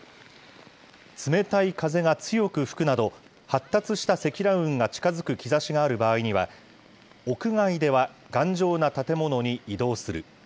冷たい風が強く吹くなど、発達した積乱雲が近づく兆しがある場合には、屋外では頑丈な建物に移動する。